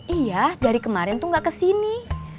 iya dari kemarin tuh gak kesini